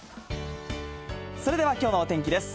それではきょうのお天気です。